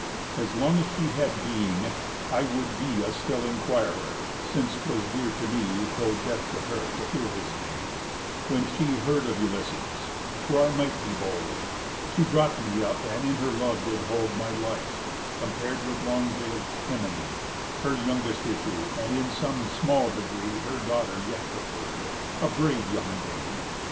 As long as she had being, I would be A still inquirer (since 'twas dear to me, Though death to her, to hear his name) when she Heard of Ulysses, for I might be bold, She brought me up, and in her love did hold My life, compar'd with long veil'd Ctimené, Her youngest issue (in some small degree Her daughter yet preferr'd) a brave young dame.